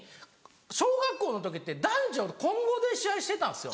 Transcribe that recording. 小学校の時って男女混合で試合してたんですよ。